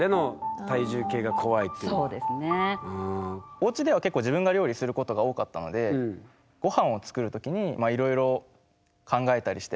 おうちでは結構自分が料理することが多かったのでごはんを作る時にまあいろいろ考えたりして。